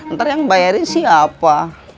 ntar yang bayarin siapa